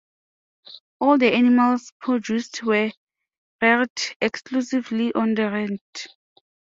All the animals produced were reared exclusively on the range.